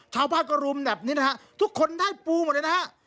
ชาวภาคกระรุมแบบนี้นะครับทุกคนได้ปูหมดเลยนะครับ